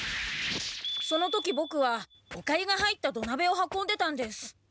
その時ボクはおかゆが入ったどなべを運んでたんです。